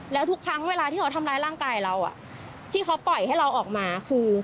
แล้วทุกครั้งเวลาที่เขาทำร้ายร่างกายเราที่เขาปล่อยให้เราออกมาคือ